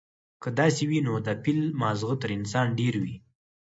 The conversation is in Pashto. که داسې وي، نو د فيل ماغزه تر انسانه ډېر وي،